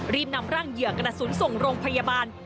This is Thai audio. รีบนำร่างเหยื่อกระสุนส่งโรงพยาบาล